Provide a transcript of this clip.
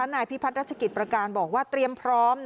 นายพิพัฒนรัชกิจประการบอกว่าเตรียมพร้อม